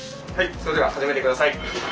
それでは始めて下さい。